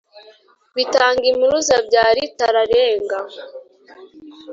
Bitangimpuruza bya Ritararenga